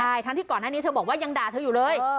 ใช่ทั้งที่ก่อนหน้านี้เธอบอกว่ายังด่าเธออยู่เลย